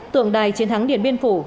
tượng đài chiến thắng điện biên phủ